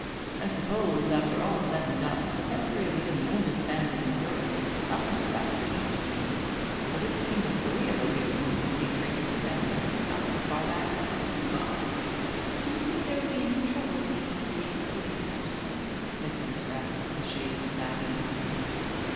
I suppose, after all said and done, that the pedigree of even the oldest family in Europe is as nothing to that of the Eastern Kings, for this King of Corea that we are going to see traces his ancestry about as far back as did Pooh Bah." "Do you think there will be any trouble in getting to see his Corean Majesty?" Miss Hemster asked with a shade of anxiety in her tone.